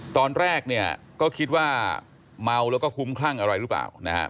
ตอนแรกเนี่ยก็คิดว่าเมาแล้วก็คุ้มคลั่งอะไรหรือเปล่านะครับ